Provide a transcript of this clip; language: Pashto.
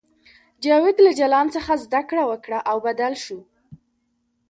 جاوید له جلان څخه زده کړه وکړه او بدل شو